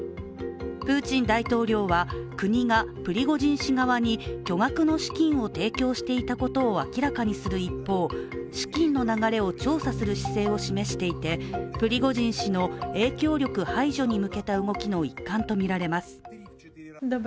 プーチン大統領は国がプリゴジン氏側に巨額の資金を提供していたことを明らかにする一方、資金の流れを調査する姿勢を示していてプリゴジン氏の影響力排除に向けた動きの一環とみられます。